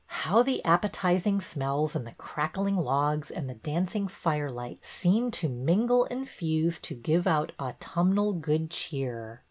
How the appetizing smells and the crackling logs and the dancing firelight seemed to mingle and fuse to give out autumnal good cheer!